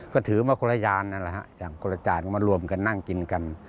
ก็ถือมาคนละยานนะครับอย่างคนละจานมารวมกันนั่งกินกัน